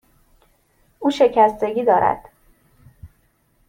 او شکستگی دارد.